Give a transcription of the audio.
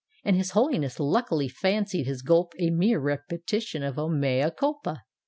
And His Holiness luckily fancied his gulp a Mere repetition of O mea culpa!)